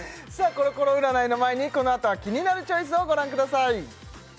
コロコロ占いの前にこのあとは「キニナルチョイス」をご覧ください